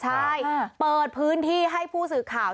ใช่เปิดพื้นที่ให้ผู้สื่อข่าว